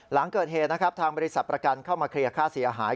หลังเกิดเหตุนะครับทางบริษัทประกันเข้ามาเคลียร์ค่าเสียหาย